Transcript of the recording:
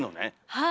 はい。